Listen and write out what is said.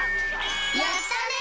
やったね！